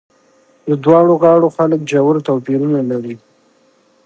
د دواړو غاړو خلک ژور توپیرونه لري.